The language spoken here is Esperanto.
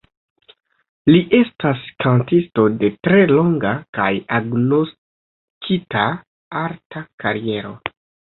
Li estas kantisto de tre longa kaj agnoskita arta kariero.